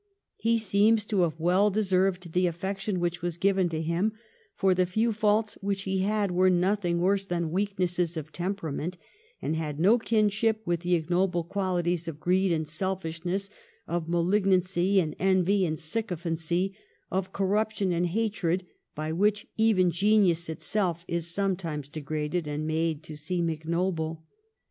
He seems to have well deserved the affection which was given to him, for the few faults which he had were nothing worse than weaknesses of temperament, and had no kinship with the ignoble qualities of greed and selfishness, of ma lignancy and envy and sycophancy, of corruption and of hatred, by which even genius itself is some times degraded and made to seem ignoble.